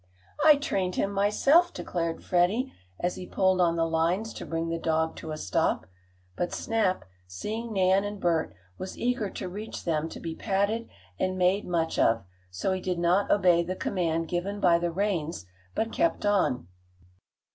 "I trained him myself!" declared Freddie, as he pulled on the lines to bring the dog to a stop. But Snap, seeing Nan and Bert, was eager to reach them to be patted and made much of, so he did not obey the command given by the reins, but kept on.